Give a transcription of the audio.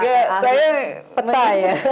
ahli peta ya